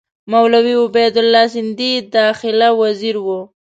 مولوي عبیدالله سندي داخله وزیر وو.